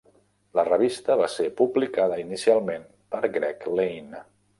La revista va ser publicada inicialment per Greg Lane.